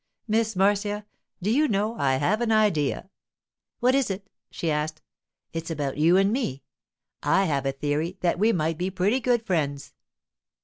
'Miss Marcia, do you know I have an idea?' 'What is it?' she asked. 'It's about you and me—I have a theory that we might be pretty good friends.